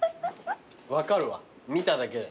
分かるわ見ただけで。